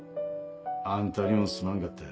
あんたにもすまんかった。